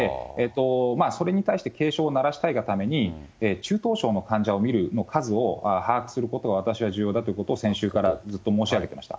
それに対して、警鐘を鳴らしたいがために、中等症の患者を見る数を把握することは、私は重要だということを、先週からずっと申し上げてました。